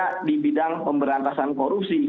kita di bidang pemberantasan korupsi